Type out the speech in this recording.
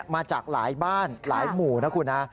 มาจากหลายบ้านหลายหมู่นะคุณนะ